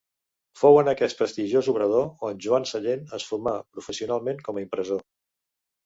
Fou en aquest prestigiós obrador on Joan Sallent es formà professionalment com a impressor.